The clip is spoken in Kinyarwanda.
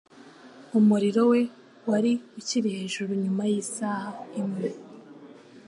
Umuriro we wari ukiri hejuru nyuma yisaha imwe.